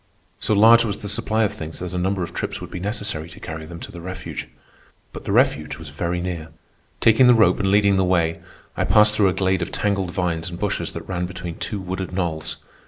So large was the supply of things that a number of trips would be necessary to carry them to the refuge. But the refuge was very near. Taking the rope and leading the way, I passed through a glade of tangled vines and bushes that ran between two wooded knolls.